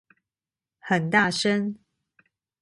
很大聲